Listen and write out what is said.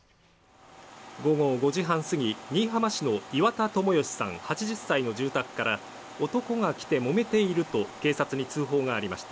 午後５時半過ぎ、新居浜市の岩田友義さん８０歳の住宅から男が来てもめていると警察に通報がありました。